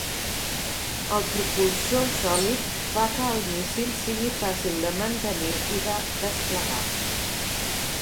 El propulsor sòlid fa que el míssil sigui fàcil de mantenir i de desplegar.